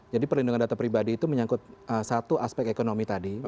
jadi perlindungan data pribadi itu menyangkut satu aspek ekonomi tadi